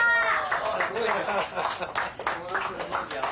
・あすごいじゃん。